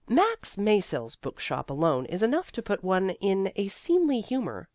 Max Maisel's bookshop alone is enough to put one in a seemly humour.